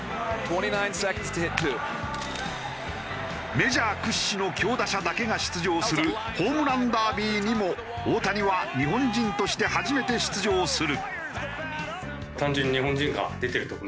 メジャー屈指の強打者だけが出場するホームランダービーにも大谷は日本人として初めて出場する。